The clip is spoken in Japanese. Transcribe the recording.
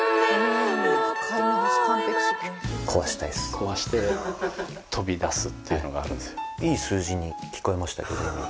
壊して飛び出すっていうのがあるんですよ。